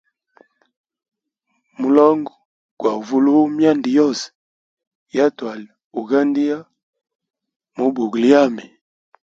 Mulongo gwa uvulua myanda yose ya twali ugandia mwi bugo lyami.